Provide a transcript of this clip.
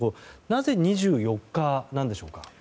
なぜ２４日なんでしょうか。